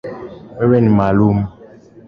Wewe ni maalumu.